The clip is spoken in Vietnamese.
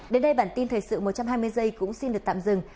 đến đây bản tin thời sự một trăm hai mươi giây cũng xin được tạm dừng